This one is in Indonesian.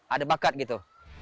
ada bakat gitu